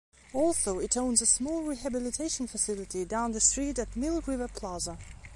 Also, it owns a small rehabilitation facility down the street at Mill River Plaza.